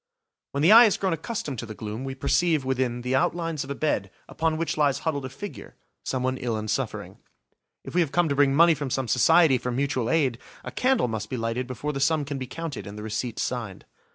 When the eye has grown accustomed to the gloom, we perceive, within, the outlines of a bed upon which lies huddled a figure–someone ill and suffering. If we have come to bring money from some society for mutual aid, a candle must be lighted before the sum can be counted and the receipt signed.